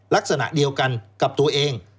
ลักษณะเดียวกันกับตัวเอง